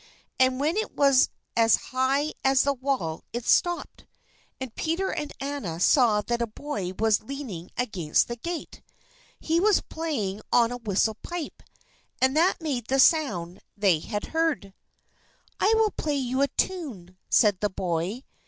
And when it was as high as the wall it stopped, and Peter and Anna saw that a boy was leaning against the gate. He was playing on a whistle pipe, and that made the sound they had heard. "I will play you a tune," said the boy.